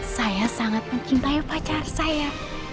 saya sangat mencintai pacar saya